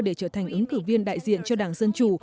để trở thành ứng cử viên đại diện cho đảng dân chủ